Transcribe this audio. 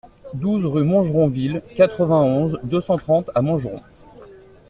douze rue Montgeron-Ville, quatre-vingt-onze, deux cent trente à Montgeron